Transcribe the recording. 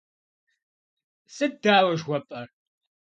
Сыт дауэ жыхуэпӏэр?